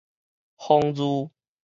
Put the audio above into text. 豐裕